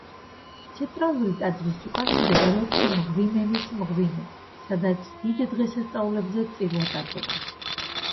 ცენტრალური ტაძრის უკან მდებარეობს მღვიმევის მღვიმე, სადაც დიდ დღესასწაულებზე წირვა ტარდება.